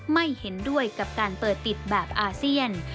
ไม่เห็นด้วยกับการเปิดติดแบบอาเซียน